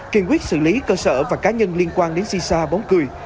kiên quyết xử lý cơ sở và cá nhân liên quan đến xì xa bóng cười